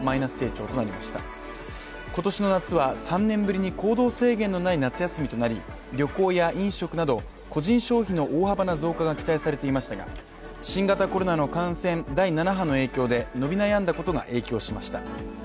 今年の夏は３年ぶりに行動制限のない夏休みとなり旅行や飲食など、個人消費の大幅な増加が期待されていましたが新型コロナの感染第７波の影響で伸び悩んだことが影響しました。